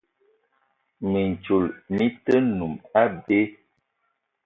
Mintchoul mi-te noum abé.